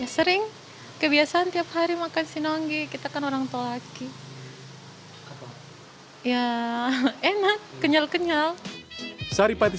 sering kebiasaan tiap hari makan sinonggi kita kan orang tolaki ya enak kenyal kenyal sari pati